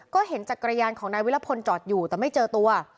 ก็เห็นจักรยานของนายวิรพลจอดอยู่แต่ไม่เจอตัว